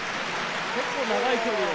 結構長い距離を。